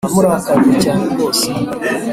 amurakariye cyane rwose